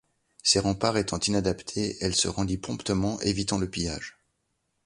Ses remparts étant inadaptés, elle se rendit promptement, évitant le pillage.